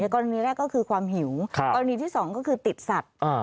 กรณีแรกก็คือความหิวกรณีที่๒ก็คือติดสัตว์